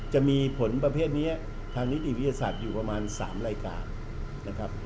จะมีผลประเภทนี้ทางนิติวิทยาศาสตร์อยู่ประมาณ๓รายการนะครับ